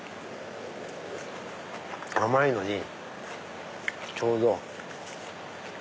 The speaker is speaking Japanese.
甘いのにちょうど。